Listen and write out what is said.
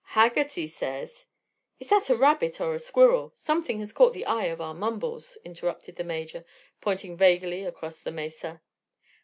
"Haggerty says " "Is that a rabbit or a squirrel? Something has caught the eye of our Mumbles," interrupted the Major, pointing vaguely across the mesa.